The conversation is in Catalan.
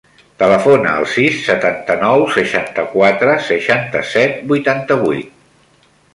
Telefona al sis, setanta-nou, seixanta-quatre, seixanta-set, vuitanta-vuit.